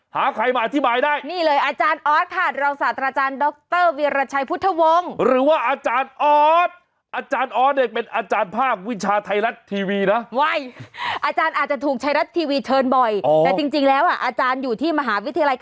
หาใครมาอธิบายได้นี่เลยอาจารย์ออสค่ะรองศาสตร์อาจารย์ดร